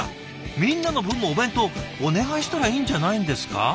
みんなの分もお弁当お願いしたらいいんじゃないんですか？